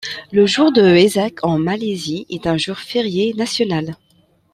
Le jour de Wesak en Malaisie est un jour férié national.